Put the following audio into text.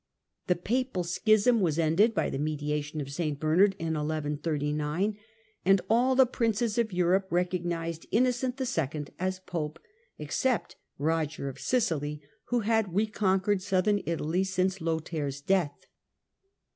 ^ The papal schism was ended by the mediation of St Bernard in 1139, and all the princes of Europe recognized . Innocent II. as Pope except Eoger of Sicily, who had re conquered Southern Italy since Lothair's death.